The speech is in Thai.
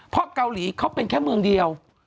เพราะเกาหลีเขาเป็นแค่เมืองเดียว